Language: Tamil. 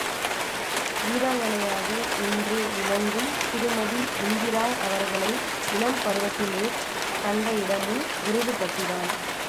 வீராங்கனையாக இன்று விளங்கும் திருமதி இந்திரா அவர்களை இளம்பருவத்திலே கண்ட இடமும் விருதுப் பட்டிதான்.